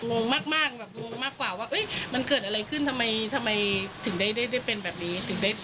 งงมากว่ามันเกิดอะไรขึ้นทำไมถึงได้เป็นแบบนี้